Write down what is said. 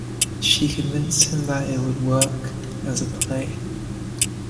She convinced him that it would work as a play.